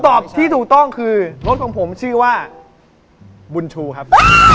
ตอบที่ถูกต้องคือรถของผมชื่อว่าบุญชูครับ